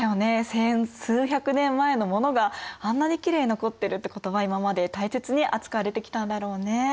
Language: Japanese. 千数百年前のものがあんなにきれいに残ってるってことは今まで大切に扱われてきたんだろうね。